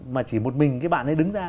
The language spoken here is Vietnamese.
mà chỉ một mình cái bạn ấy đứng ra